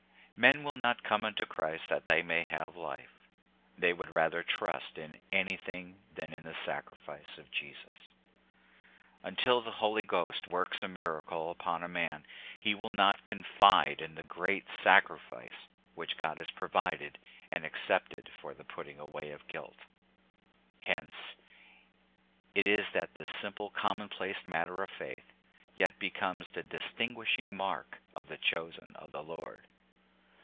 Men will not come unto Christ that they may have life. They would rather trust in anything than in the sacrifice of Jesus. Until the Holy Ghost works a miracle upon a, man, he will not confide in the great sacrifice 'which God has provided and accepted for the putting away of guilt. Hence it is that this simple, common place matter of faith, yet becomes the distinguishing mark of the chosen of the Lord.